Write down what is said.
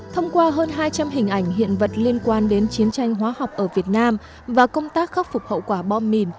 thông qua hơn hai trăm linh hình ảnh hiện vật liên quan đến chiến tranh hóa học ở việt nam và công tác khắc phục hậu quả bom mìn